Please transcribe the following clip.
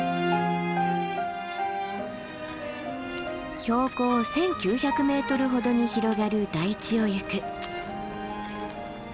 標高１，９００ｍほどに広がる台地を行く。